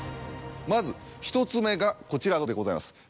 まず１つ目がこちらでございます。